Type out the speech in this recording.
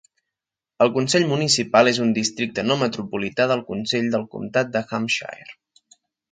El consell municipal és un districte no metropolità del consell del comtat de Hampshire.